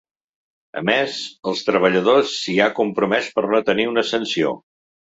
A més, els treballadors s’hi ha compromès per no tenir una sanció.